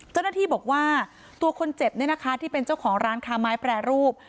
เจ้าหน้าที่บอกว่าตัวคนเจ็บเนี่ยนะคะที่เป็นเจ้าของร้านค้าไม้แปรรูป